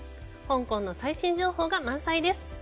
香港の最新情報が満載です。